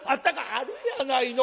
「あるやないの。